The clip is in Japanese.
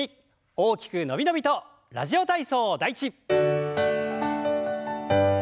大きく伸び伸びと「ラジオ体操第１」。